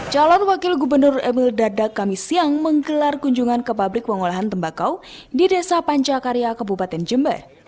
calon wakil gubernur emil dardak kami siang menggelar kunjungan ke pabrik pengolahan tembakau di desa pancakarya kebupaten jember